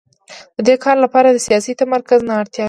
د دې کار لپاره سیاسي تمرکز ته اړتیا ده.